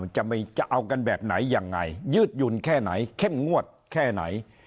จะเอากันแบบไหนยังไงยืดหยุ่นแค่ไหนเข้มงวดแค่ไหน